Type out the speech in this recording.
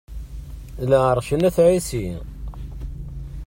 Lɛerc n At ɛisi.